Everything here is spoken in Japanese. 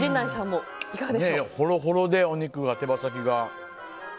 ホロホロで、お肉が、手羽先が。